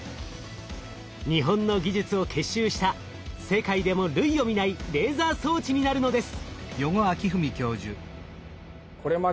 日本の技術を結集した世界でも類を見ないレーザー装置になるのです。